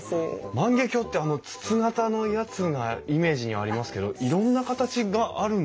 万華鏡ってあの筒形のやつがイメージにありますけどいろんな形があるんですね。